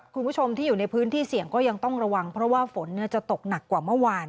คุณผู้ชมที่อยู่ในพื้นที่เสี่ยงก็ยังต้องระวังเพราะว่าฝนจะตกหนักกว่าเมื่อวาน